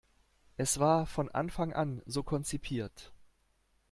Es war von Anfang an so konzipiert.